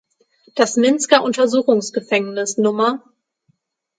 Das Minsker Untersuchungsgefängnis Nr.